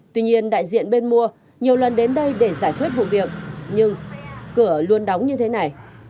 tuy nhiên đại diện bên mua nhiều lần đến đây để giải quyết vụ việc nhưng cửa luôn đóng như thế này